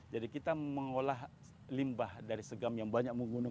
jadi kita mengolah limbah dari sekam yang banyak menggunakan